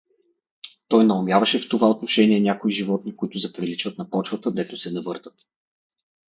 Той наумяваше в това отношение някои животни, които заприличват на почвата, дето се навъртат.